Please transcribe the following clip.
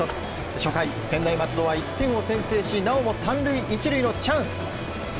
初回、専大松戸は１点を先制しなおも３塁１塁のチャンス。